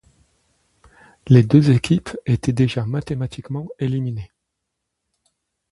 Les deux équipes étaient déjà mathématiquement éliminées.